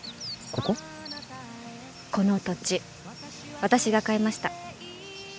この土地私が買いました。